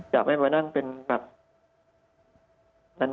อยากให้วันนั้นเป็นแบบนาน